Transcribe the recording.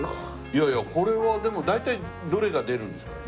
いやいやこれはでも大体どれが出るんですか？